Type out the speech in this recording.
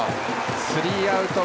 スリーアウト。